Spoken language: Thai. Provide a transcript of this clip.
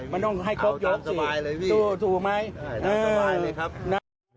มันต้องให้ครบโยคสิถูกไหม